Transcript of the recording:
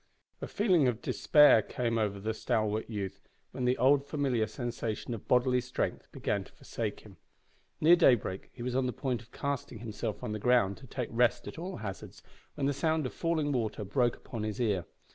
A feeling of despair crept over the stalwart youth when the old familiar sensation of bodily strength began to forsake him. Near daybreak he was on the point of casting himself on the ground to take rest at all hazards, when the sound of falling water broke upon his ear.